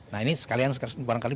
nah ini sekalian sekalian sekalian